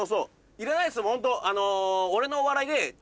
いらないですもんホント。